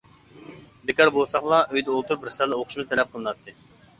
بىكار بولساقلا ئۆيدە ئولتۇرۇپ رىسالە ئوقۇشىمىز تەلەپ قىلىناتتى.